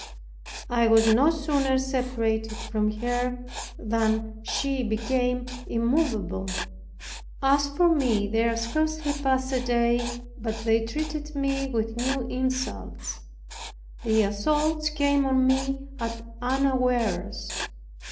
I was no sooner separated from her, but she became immovable. As for me, there scarcely passed a day but they treated me with new insults; their assaults came on me at unawares.